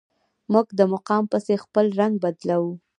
موږ د مقام پسې خپل رنګ بدلوو.